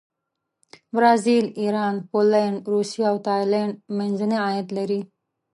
برازیل، ایران، پولینډ، روسیه او تایلنډ منځني عاید لري.